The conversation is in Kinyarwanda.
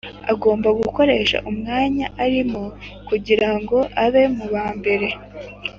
Agomba gukoresha umwanya arimo kugira ngo abe mu ba mbere